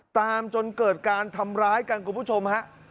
จนเกิดการทำร้ายกันคุณผู้ชมฮะ